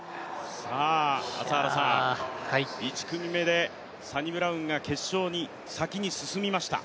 １組目でサニブラウンが決勝に先に進みました。